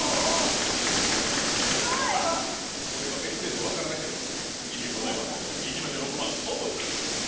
ただこれがめくれて分からなければ意味ございませんので行きましょう６番オープン。